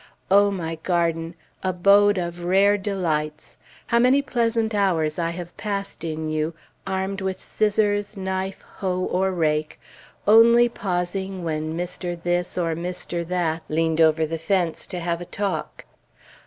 O my garden! abode of rare delights! how many pleasant hours I have passed in you, armed with scissors, knife, hoe, or rake, only pausing when Mr. This or Mr. That leaned over the fence to have a talk!